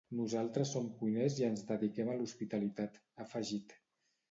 Nosaltres som cuiners i ens dediquem a l’hospitalitat, ha afegit.